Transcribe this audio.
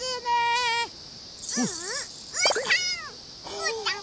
うーたん